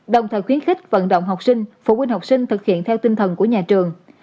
đồng thời khuyến khích vận động học sinh phụ huynh học sinh thực hiện theo tinh thần của nhà trường